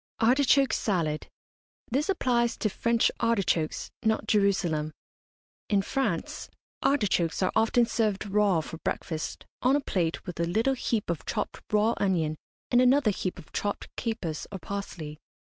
ARTICHOKE SALAD. This applies to French artichokes, not Jerusalem. In France, artichokes are often served raw for breakfast, on a plate, with a little heap of chopped raw onion and another heap of chopped capers or parsley.